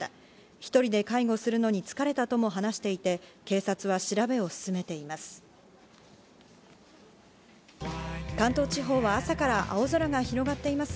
１人で介護するのに疲れたとも話していて、警察は調べを進めています。